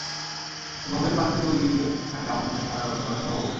এভাবে পানিতে তলিয়ে থাকলে আমন ধানের চারা রোপণ করা সম্ভব হবে না।